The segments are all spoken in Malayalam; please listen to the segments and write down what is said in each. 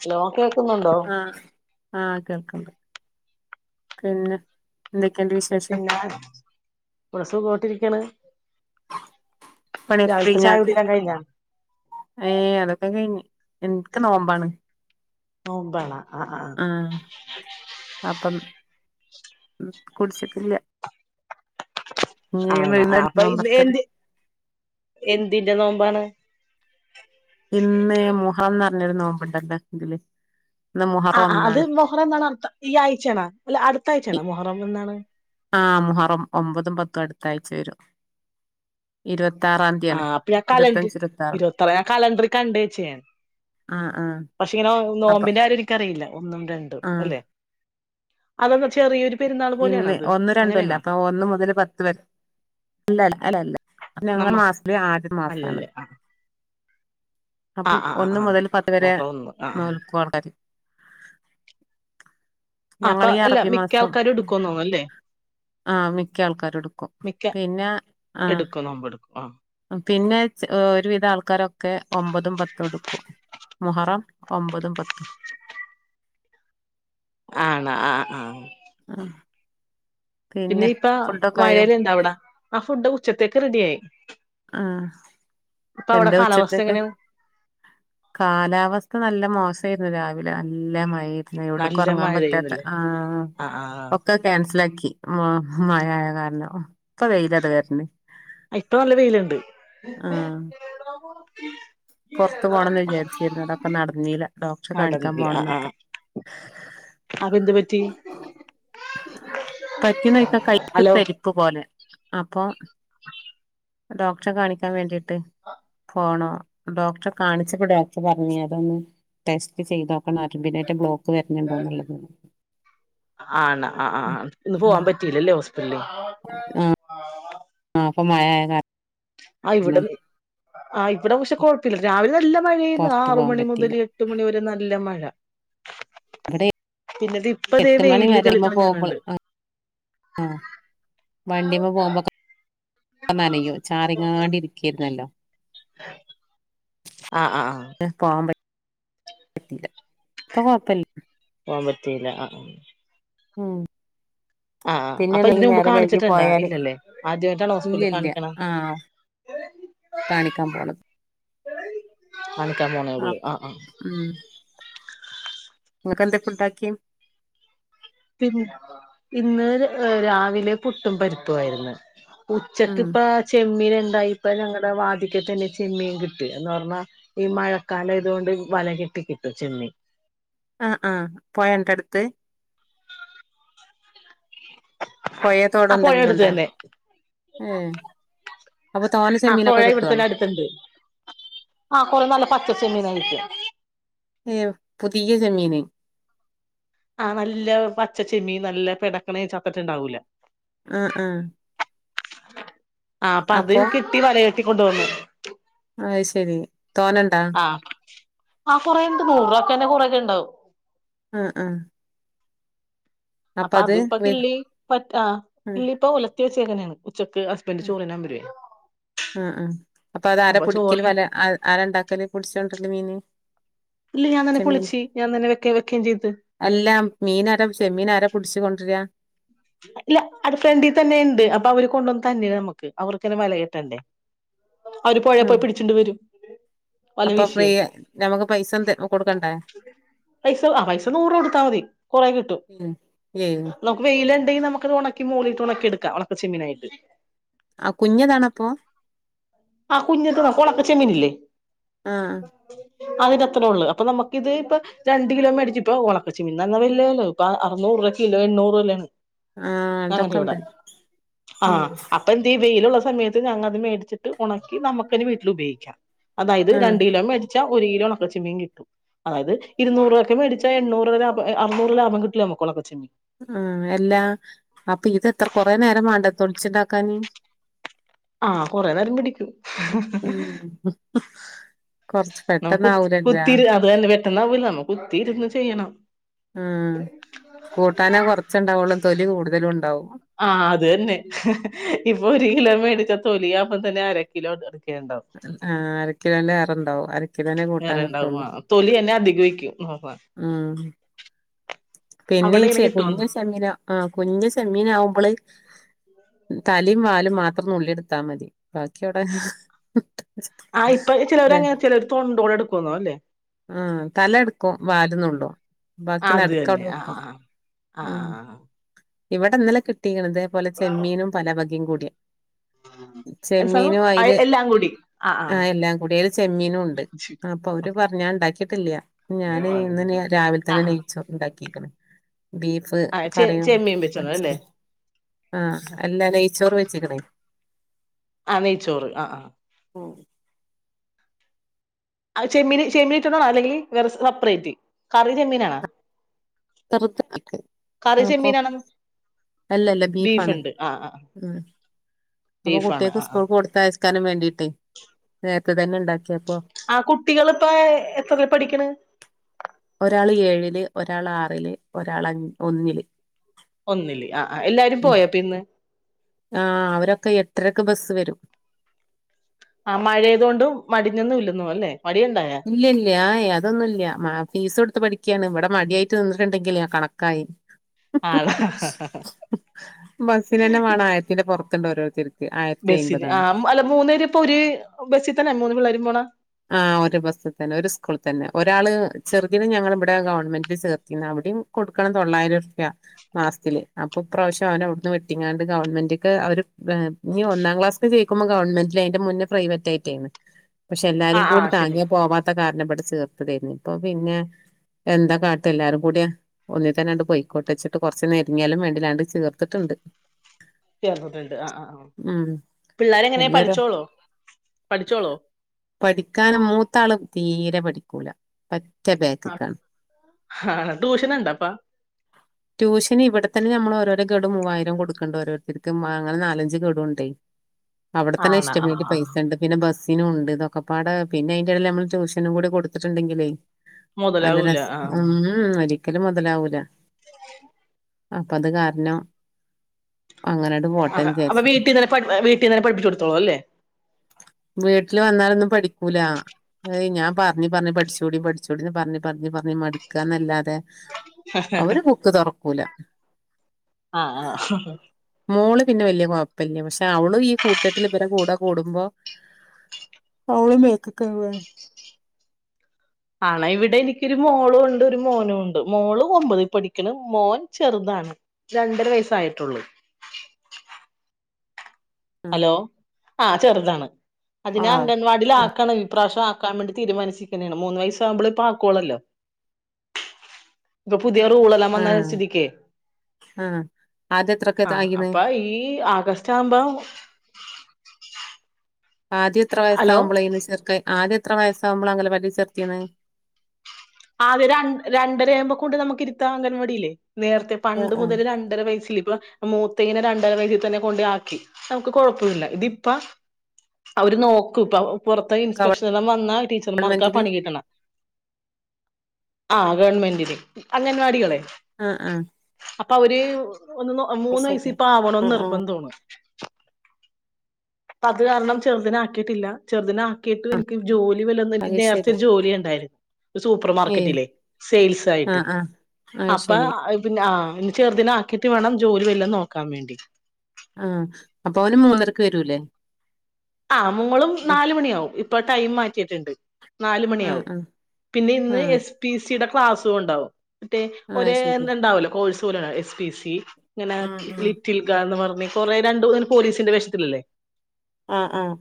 ഹലോ കേൾക്കുന്നുണ്ടോ ആഹ് ആഹ് കേൾക്ക്ണ്ട് പിന്നെ എന്തൊക്കെയുണ്ട് വിശേഷം പിന്നെ പുളുസു കോട്ടിരിക്ക്ണ് പണി ഒക്കെകയ്ഞ്ഞാണ്ട് കുടിയെല്ലാം കഴിഞ്ഞാ ഏഹ് അതൊക്കെ കഴിഞ്ഞ് എൻക്ക് നോമ്പാണ് നോമ്പണോ ആഹ് ആഹ് ആ അപ്പം കുടിച്ചിട്ടില്ല ഇനി ആണോ ആ വൈകുന്നേരം പ്പൊ ഇത് നോമ്പറക്കല് എന്ത് എന്തിന്റെ നോമ്പാണ് ഇന്നെ മുഹറംന്ന് പറഞ്ഞൊര് നോമ്പ്ണ്ടല്ലോ ഇതില് ഇന്ന് മുഹറം ആഹ് ആഹ് അത് ഒന്നാണ് മൊഹറം എന്നാണർതം ഈ ആഴ്ചയാണാ അല്ല അട്ത്ത ആഴ്ചയണോ മൊഹറം എന്നാണ് ആഹ് മുഹറം ഒമ്പതും പത്തും അട്ത്താഴ്ച്ച വെരും ആഹ് അപ്പം ഞാൻ കലണ്ട്റി ഇരുപത്തഞ്ച് ഇരുപത്താറ് ഇരുവത്താറ് ഞാൻ കലണ്ടറി കണ്ട് വെച്ചേണ് ആഹ് ആഹ് പക്ഷെ ഇങ്ങനെ നോ അപ്പൊ നോമ്പിന്റ കാര്യം എനിക്കറിയില്ല ഒന്നും രണ്ടും ആഹ് അല്ലെ അതെന്താ ചെറിയൊരു പെരുന്നാൾ പോലെയാണോ ഇന്ന് അത് ഒന്നും രണ്ടും അല്ല അങ്ങനെയാണോ അപ്പൊ ഒന്ന് മുതല് പത്ത് വരെ ഇല്ല അല്ല അല്ല അല്ല ഞങ്ങള് മാസത്തില് ആദ്യത്തെ അല്ലല്ലെ ആഹ് അപ്പം ആഹ് ആഹ് ഒന്ന് ആഹ് മുതല് പത്ത് വരെ മൊഹറം ഒന്ന് ആഹ് ആഹ് നോൽക്കും ആൾക്കാര് അപ്പൊ ഞങ്ങള് ഈ അല്ല അറബി മിക്ക മാസം ആൾക്കാരും എടുക്കുന്ന് തോന്നുന്നു അല്ലേ ആഹ് മിക്ക ആൾക്കാരു എടുക്കും പിന്നെ ആഹ് നോമ്പെടുക്കോ ആഹ് പിന്നെ ച് ഒരുവിധ ആൾക്കാരൊക്കെ ഒമ്പതും പത്തും എടുക്കും മുഹറം ഒമ്പതും പത്തും ആണോ ആഹ് ആഹ് അഹ് ഇനി ഇപ്പം വായല് ഇണ്ടാ അവടെ ആ ഫുഡ് ഉച്ചത്തേക്ക് റെഡി ആയി ആഹ് എന്താ ഉച്ചത്തേക്ക് എങ്ങനെയാണ് കാലാവസ്ഥ നല്ല മോശെര്ന്നു രാവിലെ നല്ല മഴയ്ര്ന്നു എവ്ട്ക്കും നല്ല എറങ്ങാം മഴ പറ്റാത്ത പെയ്യുന്നില്ലേ ആഹ് ആ ആ ഒക്കെ ക്യാൻസലാക്കി മ മഴയായ കാരണം ഇപ്പ വെയ്ലതാ വെര്ണ് ആ, ഇപ്പൊ നല്ല വെയിലുണ്ട് ആഹ് പൊറത്ത് പോണംന്ന് വിചാരിച്ചീരുന്നത ഒക്ക നടന്നീല്ല ഡോക്ടറെ കാണിക്കാം അടന്നില്ല ആ ആ പോണംന്നൊക്ക അപ്പൊ എന്ത് പറ്റി പറ്റ്ന്നൊയ്ക്ക കൈ ഹലോ കൊര്തര് പ്പ് പോലെ അപ്പൊ ഡോക്ടറെ കാണിക്കാൻ വേണ്ടിട്ട് പോണോ ഡോക്ടറെ കാണിച്ചപ്പൊ ഡോക്ടർ പറഞ്ഞേ ു അതൊന്ന് ടെസ്റ്റ് ചെയ്തൊ കണ്ണാടി നരമ്പിനേറ്റം ബ്ലോക്ക് വെര്ന്ന്ണ്ടോന്നുള്ളത് ആണ് അ അ അ ഇന്ന് പോവാം പറ്റീലല്ലേ ഹോസ്പിറ്റ്ല് ആഹ് ആഹ് അപ്പൊ മഴയായ കാര ആഹ് ഇവിടം ആഹ് ഇവിടം പക്ഷെ കൊഴപ്പില്ല രാവിലെ നല്ല മഴെയ്യെര്ന്നു പുറത്ത് ആറ് പോകാൻ മണി പറ്റിയില്ല മുതല് എട്ട് മണിവെരെ നല്ല മഴ ഇവിടെ പിന്നത് ഇപ്പ ദെ എട്ട് മണി വെയില് വരെമ്മ തെളിഞൂഞ് പോകുമ്പോൾ വെര്ണ്ട് ആഹ് ആഹ് വണ്ടിമ്മ പോകുമ്പക ല്ക്ക നനയോ ചാരിങ്ങാണ്ട് ഇരിക്കരുന്നല്ലോ ആഹ് ആഹ് ആഹ് പോവാം പ റ്റീല ഇപ്പ കൊയപ്പ. ല പോവാം പറ്റീല്ല അ ഉം ആഹ് പിന്നെ അപ്പ ഈ ഇതിന് മുമ്പ് നേരം വൈകി കാണിച്ച്ട്ടുണ്ടാ പോയാല് ഇല്ലല്ലെ ആദ്യായിട്ടാണ് ഇല്ല ഹോസ്പിറ്റ്ൽ ഇല്ല കാണിക്കണെ [unintelligible] കാണിക്കാം പോണത് കാണിക്കാം പോണേ ഒള്ളു ആഹ് ആഹ് ആഹ് നിങ്ങക്കന്തെ ഫുഡാക്കിയെ പിൻ ഇന്ന് ര് രാവിലെ പുട്ടും പരിപ്പുവായിരുന്ന് ഉച്ചക്ക് ഉം ഇപ്പ ചെമ്മീന് ഉണ്ടായി ഇപ്പ ഞങ്ങളടെ വാതിക്ക തന്നെ ചെമ്മീൻ കിട്ട് എന്ന് പറഞ്ഞാ ഈ മഴക്കാലം അയതോണ്ട് വല കെട്ടി കിട്ടും ചെമ്മീൻ അഹ അഹ പോയന്റെട്ത്ത് പൊയേ തോടോ ആ പുഴ അടുത്ത് എന്തെങ്കിലുണ്ടോ ഏ ആഹ പൊഴ ഇവിടുത്തെന്നെ അടുത്തുണ്ട് ആഹ കൊറെ നല്ല പച്ചച്ചെമ്മീനായിരിയ്ക്കും ഏ പുതിയ ചെമ്മീന് ആഹ നല്ല പച്ചച്ചെമ്മീൻ നല്ല പെടക്കണേ ചത്തിട്ട്ണ്ടാവൂല ആഹ ആഹ ആ അപ്പം അപ്പൊ അതുംകിട്ടി വല കെട്ടിക്കൊണ്ട് വന്നു അയ് ശരി തോന്നണ്ടാ ആഹ ആ കുറേണ്ട് നൂറ് രൂപ ഒക്കെ തന്നെ കുറെ ഒക്കെണ്ടാവും ആഹ ആഹ അപ്പൊ അതിപ്പൊ വെ കിള്ളി പ്പ ആഹ കിള്ളി ഇപ്പ ഉലത്തി വെച്ചേക്കണേണ് ഉച്ചക്ക് ഹസ് ഉം അഹ അഹ അപ്പൊ അത് ആരാ പുടിയ്ക്കല് വല ആരാണ്ടാക്കല് പുട്ച്ചൊണ്ടല്ലൊ മീന് ഇല്ല ഞാൻ തന്നെ ചെമ്മീൻ പൊളിച്ച് ഞാൻ തന്നെ വെക്കേ വെക്കേം ചെയ്ത്. അല്ല മീനാരാ ചെമ്മീനാരാ പുട്ച്ച് കൊണ്ടരാ? ഇല്ല അത് ഫ്രണ്ടി തന്നെ യ്ണ്ട്. അപ്പൊ അവര് കൊണ്ടുവന്ന് തര്‌ണ് നമ്മക്ക് അവർക്കെന്നെ വല കെട്ടണ്ടേ. അവര് പൊഴേ ഉം പോയി പിടിച്ചൊണ്ട് വരും. വല അപ്പൊ വീശിയേ ഫ്രീയാ, നമ്മക്ക് പൈസൊന്നും തെ കൊടുക്കണ്ടേ? പൈസ ആഹ് പൈസ നൂറ് കൊടുത്താ മതി കൊറേ കിട്ടും. ഉം ഏഹ് നമുക്ക് വെയിലണ്ടെങ്കി നമുക്കത് ഒണക്കി മോളിട്ട് ഒണക്കിയെടുക്കാ. ഒണക്കചെമ്മീനായിട്ട്. ആഹ് കുഞ്ഞ്യെതാണപ്പോം. ആഹ് കുഞ്ഞത് ഒണക്ക ചെമ്മീനില്ലേ ആഹ് അതിൻ്റെ അത്ര ഒള്ള്. അപ്പം നമുക്കിത് ഇപ്പൊ രണ്ട് കിലോ മേടിച്ചിപ്പോ ഒണക്കചെമ്മീൻ നല്ല വിലയല്ലേ ഇപ്പൊ അറുന്നൂറ് രൂപ കിലോ എണ്ണൂറ് രൂപ വെലേണ്. ആഹ് ഞങ്ങൾടെ ഇവടെ അതൊക്കെണ്ട് ഉം ആഹ് അപ് പ്പെന്തെയ് ഈ വെയിലുള്ള സമയത്ത് ഞങ്ങൾത് മേടിച്ചിട്ട് ഒണക്കി നമ്മുക്കെന്നെ വീട്ടില് ഉപയോഗിക്കാ. അതായത് ആഹ് രണ്ട് കിലോൻ മേടിച്ചാ ഒരു കിലോ ഒണക്കച്ചെമ്മീൻ കിട്ടും. അതായത് ഇരൂനൂറ് രൂപയ്ക്ക് മേടിച്ചാ എണ്ണൂറ് രൂപ ലാഭം എഹ് അറ്‌നൂറ് ലാഭം കിട്ടി നമുക്കൊണക്കച്ചെമ്മീൻ. ആഹ് അല്ലാ അപ്പ ഇത് എത്ര കൊറേ നേരം മാണ്ടെ തൊൽച്ണ്ടാക്കാന്. ആഹ് കൊറേ നേരം പിടിയ്ക്കും. കൊർച്ച് പെട്ടന്നാവൂലല്ലാ. അതാണ് പെട്ടെന്നാവൂല്ല നമ്മ കുത്തിയിരുന്ന് ചെയ്യണം. ആഹ് കൂട്ടാനോ കൊർച്ചുണ്ടാവൊള്ളൂ തൊലി കൂടുതലൂ ണ്ടാവും. ആഹ് അത് തന്നെ ഇപ്പൊ ഒരു കിലോ മേടിച്ചാ തൊലിയാവുമ്പം തന്നെ അര കിലോ ണ്ട്. ആഹ് അരക്കിലോൻ്റേറെണ്ടാവും അരക്കിലോനേ കൂട്ടാൻ വേറെ ഉണ്ടാവും കിട്ടൊള്ളൂ. ആ തൊലി എന്നെ അധി [unintelligible] വെയ്ക്കും ആഹ്. പിന്നേ അവിടെ ഇ ഇങ്ങനെ ച്ചെ കിട്ടുവോന്ന് കുഞ്ഞു സെമ്മീനാ ആഹ് കുഞ്ഞ് സെമ്മീനാവുമ്പള് തലിം വാലും മാത്രം നുള്ളിട്ത്താ മതി. ബാക്കിയവുടെ ആഹ് ഇപ്പം അതെ ചിലോരങ്ങനെ ചിലർ തൊണ്ടോടെ എടുക്കും തോന്ന്ണല്ലേ. ആഹ് തലട്ക്കും വാല് നുള്ളും. ബാക്കി അത് തന്നെ നട്ക്കവ്ടെ ആ വെക്കും ആ ആ ആ ഉം. ആ ഇവടെന്നലെ കിട്ടീക്ക്ണ് ഇതേപോലെ ചെമ്മീനും പല വകിം കൂടി. അവസാനം ചെമ്മീനും അയ്ല് എല്ലാം കൂടി ആ ആ ആഹ് എല്ലാം കൂടി അയ്ല് ചെമ്മീനൂണ്ട്. അപ്പൊ അവര് പർ ഞാൻ ഇണ്ടാക്കീട്ടില്ല്യ ഞാന് ഇന്ന് നി രാവിൽ ആ തന്നെ നെയ്ച്ചോറ് ഇണ്ടാക്കിക്ക്ണ്. ബീഫ് ആ ചെ കറിയും ചെമ്മീൻ വെച്ചോണം അല്ലേ വെച്ച്ണ് ആഹ് അല്ലാ നെയ്ച്ചോറ് വെച്ച്ക്ക്ണേ. ആഹ് നെയ്ച്ചോറ് അ ആഹ്. ആഹ് അഹ് ചെമ്മീൻ ചെമ്മീനിട്ട്ട്ടാണോ അല്ലെങ്കിൽ വേറെ സപ്റേറ്റ്, കറി ചെമ്മീനാണോ? കറി ചെമ്മീനാണോ [unintelligible] അല്ലല്ല. ബീഫ് ബീഫാണ് ഉണ്ട് ആ ആ ഉം അപ്പൊ ബീഫാണ് കുട്ട്യേക്ക് ആ ആ സ്കൂൾക്കൊട് തയസ്ക്കാനും വേണ്ടീട്ടെ നേരത്തെ തന്നെ ഇണ്ടാക്ക്യേപ്പൊ ആഹ് കുട്ടികളിപ്പേ എത്രേ ൽ പഠിക്ക്ണ്? ഒരാള് ഏഴില് ഒരാൾ ആറില് ഒരാള് അൻ ഒന്നില്. ഒന്നില്. അ അഹ് എല്ലാരും ഉം പോയൊ പ്പിന്ന്? ആഹ് അവരൊക്കെ എട്ടരക്ക് ബസ്സ് വരും. ആഹ് മഴേയ്തോണ്ടും മടിഞൊന്നു ഇല്ലെന്നോണു അല്ലേ മടിയുണ്ടായോ? ഇല്ല്യ ഇല്ല്യ ആഹ് ഏഹ് അതൊന്നുല്ല്യ മാ ഫീസൊട്ത്ത് പഠിക്ക്യാണ് ഇവടെ മട്യായിട്ട് നിന്നിട്ട്ണ്ടെങ്കിലെ കണക്കായ് ആണോ പിന്നെ പൊർത്ത്ണ്ടോരോര്ത്തെര് ബെസ്സിന് ആഹ് അല്ല മൂന്നേര് പ്പൊ ഒര് ബെസ്സി തന്നെ മൂന്ന് പിള്ളേരും പോണാ ആഹ് ഒര് ബസ്സ് തന്നെ ഒര് സ്കൂൾ തന്നെ ഒരാള് ചെറ്തിനെ ഞങ്ങളിബ്ടെ ഗവൺമെന്റില് ചേർത്തീന്ന് അവ്ടിം കൊട്ക്കണം തൊള്ളായ്രുർപ്യാ മാസ്ത്തില് അപ്പൊ ഇപ്പ്രാവ്ശ്യം അവനെവ്ട്ന്ന് വെട്ടിങ്കാണ്ട് ഗവൺമെന്റ്ക്ക് അവര് പേ ഞ്ഞ് ഒന്നാം ക്ലാസ്ക്ക്‌ ജയ്ക്കുമ്പം ഗവൺമെന്റില് അയ്ന്റെ മുന്ന് പ്രൈവറ്റായ്റ്റേന്ന് ആ എല്ലാരിം ആ കൂടി ശരി താങ്ങിയാ പോവാത്ത കാര്ണം ബെടെ ചേർത്തതേര്ന്ന് ഇപ്പൊ പിന്നെ എന്താ കാട്ടാ എല്ലാരും കൂട്യാ ഒന്നിതന്നാണ്ട് പോയ്ക്കോട്ടെച്ച്ട്ട് കൊർച്ച് നെര്ങ്ങ്യാലും വേണ്ടിലാ ആണ്ട് ചേർത്ത്ട്ട്ണ്ട് ചേർന്നിട്ട്ണ്ട് ആഹ് ആഹ് ആഹ് ഉം പിള്ളാരെങ്ങെനെ വല്യൊരു പഠിച്ചോളോ പഠിച്ചോളോ പഠിക്കാന് മൂത്താള് തീരെ പഠിക്കൂലാ പറ്റെ ബേ ആഹ് ഹാ ടൂഷന്ണ്ടപ്പാ റ്റ്യൂഷന് ഇവ്ടെത്തന്നെ ഞമ്മെള് ഓരോരോ ഗെഡു മൂവായിരം കൊട്ക്ക്ണ്ട് ഓരോര്ത്തര്ക്ക് മാ അങ്ങെനെ നാലഞ്ച് ഗഡുണ്ടേ അവ്ടെത്തന്നെ ആണ ആ ഇഷ്ടമായ്രി ആ ആ. പൈസണ്ട് പിന്നെ ബസ്സിനൂണ്ട് ഇതൊക്കെപ്പാടെ പിന്നെ അയ്ന്റെടേൽ ഞമ്മള് ടൂഷനും കൂടി കൊട്ത്ത്ട്ട്ണ്ടെങ്കിലേ നല്ല മുതലാവൂല രസ് ആ ഉം ഹും ഒരിക്കലും മൊതലാവൂലാ അപ്പ അത് കാര്നം അഹ് അപ്പ വിചാരിച്ചു വീട്ടീന്നെന്നെ പട് വീട്ടീന്നെന്നെ പഠ്പ്പിച്ചൊട്ത്തോളു അല്ലേ വീട്ട്ല് വന്നാലൊന്നും പഠിക്കൂലാ ഏയ് ഞാൻ പർഞ്ഞ് പർഞ്ഞ് പഠ്ച്ചൂടി പഠ്ച്ചൂടീന്ന് പർഞ്ഞ് പർഞ്ഞ് പർഞ്ഞ് മട്ക്കാന്നല്ലാതെ അവര് ബുക്ക് തൊറക്കൂലാ ആഹ് ആഹ് മോള് പിന്നെ വെല്ല്യ കൊഴ്പ്പല്ല്യാ പക്ഷെ അവളും ഈ കൂട്ടെത്തില് വെരെ കൂടെ കൂട്മ്പോ അവളും ബേക്ക്ക്കാവാണ് ആണാ ഇവിടെ എനിക്കൊരു മോളൂണ്ട് ഒരു മോനൂണ്ട് മോള് ഒമ്പതീ പഠിക്ക്ണ് മോൻ ചെറ്താണ് രണ്ടര വയസ്സായ്ട്ടൊള്ളൂ ഹലോ ആഹ് ചെറ്താണ് അതിനെ ആഹ് അങ്ങൻ വാടീലാക്കണം ഇപ്പ്രാശ്യം ആക്കാൻ വേണ്ടി തീര്മാനിച്ച്ക്ക്ണേണ് മൂന്ന് വയസ്സാവുമ്പളെ ഇപ്പാക്കൊള്ളേല്ലോ പ്പൊ പുത്യേ റൂളെല്ലാം വന്നെ ആഹ് സ്ഥിതിക്കേ ആഹ് ആദ്യം എത്രൊക്കെ ആഹ് ആയിണ് അപ്പ ഈ ആഗസ്റ്റാവ്മ്പം ആദ്യം എത്രെ ഹലോ വയസ്സാവുമ്പളേന്ന് ചേർക്കെ ആദ്യം എത്ര വസാവുമ്പളാ അങ്കലവാടി ചേർത്തീന്നേ ആദ്യം രൺ രണ്ടരയാവ്മ്പാെ കൊണ്ട് നമുക്ക് ഇര്ത്താം അംഗൻവാടീലേ നേര്ത്തെ ആഹ് പണ്ട് ആഹ് മുതൽ രൺ ണ്ടെര വയ്സില് പ്പ മൂത്തേനെ രണ്ടെര വയസ്സി തെന്നെ കൊണ്ടെയാക്കി നമ്ക്ക് കൊഴപ്പുല്ല ഇതിപ്പാ അവര് നോക്കുപ്പ പൊർത്ത് ഇൻസ്പെക്ഷനെല്ലാം വന്നാ ടീച്ചർമാർക്കാ ഗവൺമെന്റിന് പണി കിട്ട്‌ണേ ആഹ് ഗവൺമെന്റിന് അംഗൻവാടികളെ ആഹ് ആഹ് അപ്പൊ അവര് ഒന്ന്ന്ന് മൂന്ന് അയ്ശരി വയസ്സിപ്പോ ആവണോന്ന് ആഹ് ആഹ് നിർബന്ധോണ് പ്പ അത് കാര്ണം ചെർത്‌നെ ആക്കീട്ടില്ലാ ചെർത്‌നാ ക്കീട്ടു ജൻക്ക് ജോലി വല്ലൊന്ന് അത് നേർച്ചെ ശരി ഒര് ജോലി ഇണ്ടായ്ര് സൂപ്പർ ഏയ് മാർക്കറ്റിലേ സെയിൽസായിട്ട് ആഹ് ആഹ് അത് അപ്പാ ശരി അയ് പിന്നെ ആഹ് ഇനി ചെർതിനെ ആക്കീട്ട് വേണം ജോലി വല്ലോം നോക്കാം വേണ്ടി ആഹ് അപ്പോന് മൂന്നരക്ക് വരൂല്ലേ? ആഹ് മോളും നാലുമണിയാവും ഇപ്പൊ ടൈമാറ്റിയിട്ടുണ്ട്. നാലു ആഹ് മണിയാവും ആഹ് പിന്നെ ഇന്ന് ആഹ് എസ് പി സിയുടെ ക്ലാസുണ്ടാവും. റ്റേ ആഹ് ഒരേ അത് ശരി എന്ത്ണ്ടാവല്ലോ കോഴ്സ് പോലെ എസ് പി സി ഇങ്ങനെ ഉം ലി ഉം റ്റിൽക്കാന്ന് പർഞ്ഞ് കൊറെ രണ്ട് പോലീസിന്റെ വേഷത്തിലല്ലേ? ആഹ് ആഹ്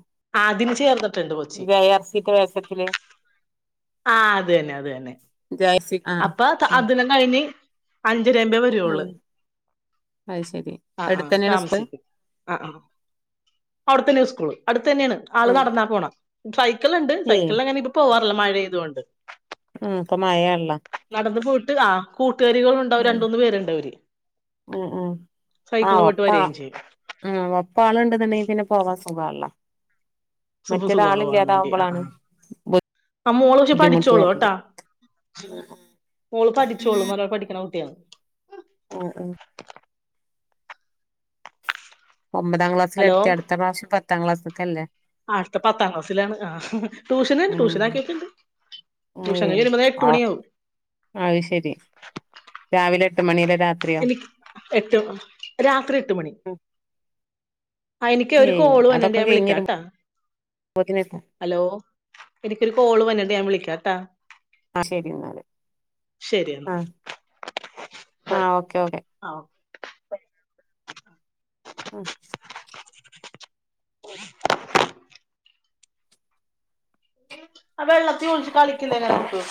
ആദ്യം ചേർന്ന വെ ആർ സിത്തെ വേസത്തില് ആഹ് അതെന്നെ അതെന്നെ ജേഴ്സി ആഹ് അപ്പ ത ഉം അതിലന്നഴിഞ്ഞ് അഞ്ചരേമ്പ തൊള്ള് ഉം അത് ശരി ആഹ് ആഹ് അടുത്തന്നെയാണ് സ്കൂൾ താമസിക്കും. അഹ് ആഹ് അവ്ടെത്തന്നെ സ്കൂള് അടുത്തന്നേണ് ആള് ഉം നടന്നാ പോണ്. സൈക്കിൾണ്ട് ഏയ് സൈക്കിളങ്ങനെ ഇത് പോവാറില്ല മഴയെയ്ത് കൊണ്ട്. ആഹ് ഇപ്പ മഴേള്ള. നടന്ന് പോയിട്ട് ആഹ് കൂട്ടുകാരികളു അവര് ഉം രണ്ട്, മൂന്ന് പേരുണ്ടവര് ഉം ഉം ആഹ് സൈക്കിള് പോയിട്ട് ഒപ്പ വരേം ചെയ്യും. ആഹ് ഒപ്പാള്ണ്ടെന്നണ്ടെങ്കി പിന്നെ പോകാൻ സുഖാണല്ലോ. സുഖ സുഖോണ് പോവാ വേണ്ടി അഹ് മറ്റേതാളില്ലാതാവുമ്പളാണ് ആഹ് അഹ് മോളോച്ചു ബുദ്ധിമുട്ട് പഠിച്ചോളൂ വരല് ട്ടാ. മോള് പഠിച്ചോളു നല്ലോൺ പഠിക്കണ കുട്ടിയാ. ആഹ് ആഹ് ഒമ്പതാം ഹലോ ക്ലാസ്സിലെത്തി അട്ത്ത പ്രാശ്യം പത്താ ക്ലാസ്ക്കല്ലേ? അട്ത്ത പത്താ ക്ലാസ്സിലാണ് ആഹ് ടൂഷന്ണ്ട് ഉം ടൂഷനാക്കീട്ടണ്ട് ടൂഷകയ്യരുമ്പത്ത് എട്ട് മണിയാവും. അഹ് ശരി രാവിലെ എട്ട് മണിരെ രാത്രി എട്ട് രാത്രി എട്ട് മണി. ആഹ് ഇനിക്ക് ഒരു ഏയ് കോള് വരുന്ന്ണ്ട് അതൊക്കെ ഞാൻ വിളിക്കാട്ടാ? കഴിഞ്ഞരുമ്പോത്തിന് ഹലോ എനിക്കൊരു കോള് വര്ന്ണ്ട് ഞാൻ വിളിക്കാട്ടാ? ആഹ് ശരി ന്നാല് ശരി എന്നാ ആഹ് ആഹ് ഓക്കെ ഓക്കെ. ആഹ് ഓ അഹ് ആഹ് വെള്ളത്തി ഒഴിച്ച് കളിക്കന്നര കുട്ടു